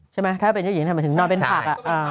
ใช่ไหมถ้าเป็นเจ้าหญิงทำไมถึงนอนเป็นผัก